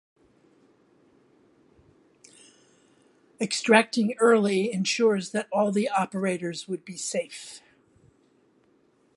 Extracting early ensures that all the operators would be safe.